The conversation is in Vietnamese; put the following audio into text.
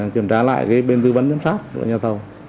kiểm tra lại cái bên dư vấn giám sát